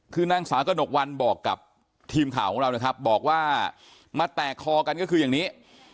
คือนางสาวกระหนกวันบอกกับทีมข่าวของเรานะครับบอกว่ามาแตกคอกันก็คืออย่างนี้